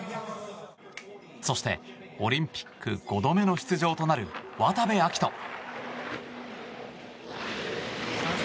そして、オリンピック５度目の出場となる渡部暁斗。